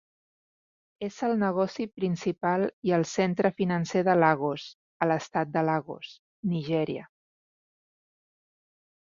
És el negoci principal i el centre financer de Lagos a l'estat de Lagos, Nigèria.